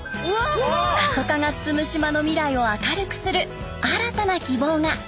過疎化が進む島の未来を明るくする新たな希望が！